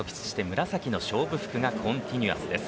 紫の勝負服がコンティニュアスです。